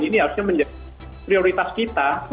ini harusnya menjadi prioritas kita